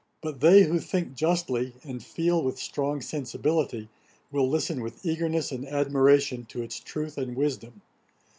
But they who think justly, and feel with strong sensibility, will listen with eagerness and admiration to its truth and wisdom.